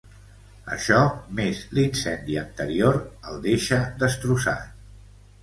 Això, més l'incendi anterior, el deixa destrossat.